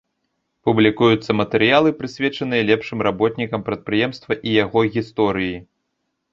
Публікуюцца матэрыялы, прысвечаныя лепшым работнікам прадпрыемства і яго гісторыі.